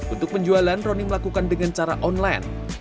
untuk penjualan roni melakukan dengan cara online